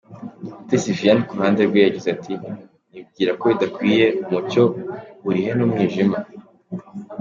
Umutesi Viviane ku ruhande rwe yagize ati:“Nibwira ko bidakwiriye, umucyo uhuriyehe n'umwijima.